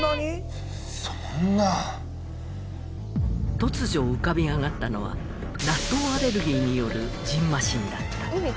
突如浮かび上がったのは納豆アレルギーによるじんましんだった。